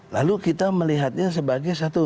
lalu kita melihatnya sebagai satu